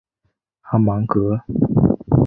阿芒格。